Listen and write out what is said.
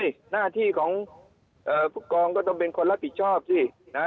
นี่หน้าที่ของผู้กองก็ต้องเป็นคนรับผิดชอบสินะ